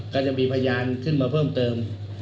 ก็จะมีพยานขึ้นมาเพิ่มเติม